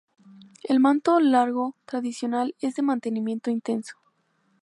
El manto largo tradicional es de mantenimiento intenso.